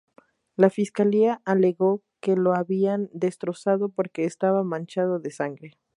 La fiscalía alegó que lo habían destrozado porque estaba manchado de sangre.